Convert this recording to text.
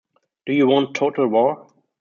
Do you want total war?